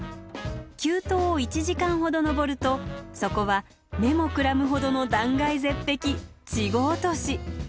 急登を１時間ほど登るとそこは目もくらむほどの断崖絶壁稚児落とし。